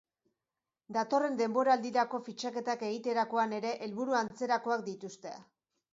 Datorren denboraldirako fitxaketak egiterakoan ere helburu antzerakoak dituzte.